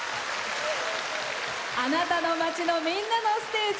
あなたの街の、みんなのステージ。